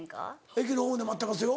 駅のホームで待ってますよ。